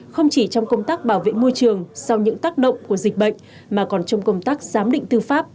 không chỉ trong công tác bảo vệ môi trường sau những tác động của dịch bệnh mà còn trong công tác giám định tư pháp